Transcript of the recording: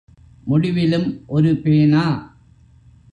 முடிவிலும் ஒரு பேனா.